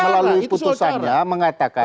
melalui putusannya mengatakan